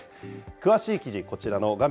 詳しい記事、こちらの画面